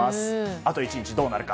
あと１日、どうなるか。